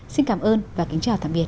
xin cảm ơn và kính chào tạm biệt